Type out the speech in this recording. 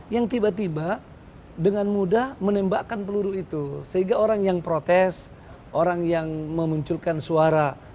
yang tiba tiba dengan mudah menembakkan peluru itu sehingga orang yang protes orang yang memunculkan suara